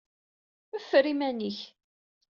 Ffer iman-ik!